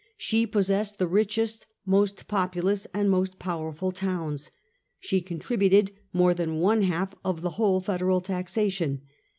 She possessed the richest, most populous, and most powerful towns. She contributed more than one half of the whole federal taxation.